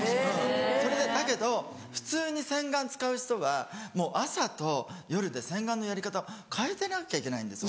それでだけど普通に洗顔使う人はもう朝と夜で洗顔のやり方を変えてなきゃいけないんです。